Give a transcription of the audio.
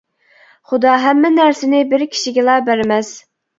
خۇدا ھەممە نەرسىنى بىر كىشىگىلا بەرمەس.